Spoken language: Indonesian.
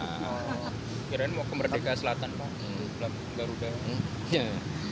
kira kira mau kemerdeka selatan pak